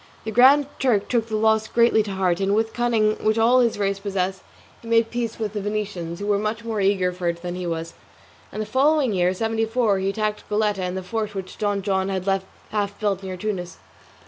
The Grand Turk took the loss greatly to heart, and with the cunning which all his race possess, he made peace with the Venetians (who were much more eager for it than he was), and the following year, seventy four, he attacked the Goletta and the fort which Don John had left half built near Tunis.